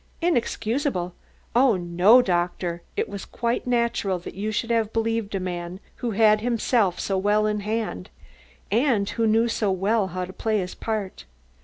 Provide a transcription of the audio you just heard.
"Inexcusable? Oh, no, doctor; it was quite natural that you should have believed a man who had himself so well in hand, and who knew so well how to play his part.